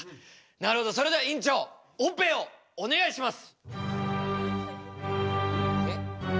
なるほどそれでは院長オペをお願いします。